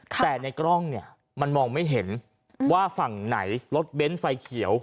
แต่ในกล้องเนี่ยมันมองไม่เห็นว่าฝั่งไหนรถเบ้นไฟเขียว